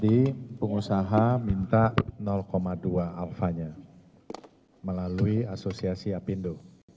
jadi pengusaha minta dua alfanya melalui asosiasi apindo